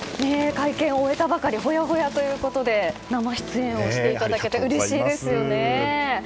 会見を終えたばかりほやほやということで生出演をしていただけてうれしいですよね。